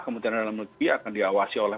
kementerian dalam negeri akan diawasi oleh